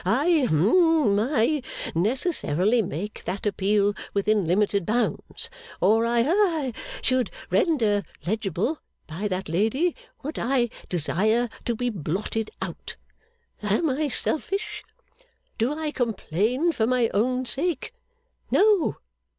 I hum I necessarily make that appeal within limited bounds, or I ha should render legible, by that lady, what I desire to be blotted out. Am I selfish? Do I complain for my own sake? No.